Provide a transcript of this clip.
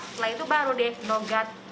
setelah itu baru deh nogat